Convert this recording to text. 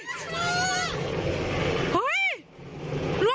ล้วงตรงไหนล่ะ